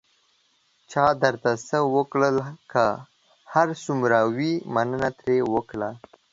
چا درته څه وکړل، که هر څومره وي، مننه ترې وکړه.